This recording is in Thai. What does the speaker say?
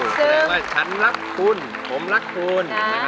แสดงว่าฉันรักคุณผมรักคุณ